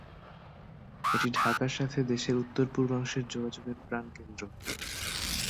এটি ঢাকার সাথে দেশের উত্তর-পূর্বাংশের যোগাযোগের প্রাণকেন্দ্র।